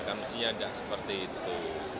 kan mestinya tidak seperti itu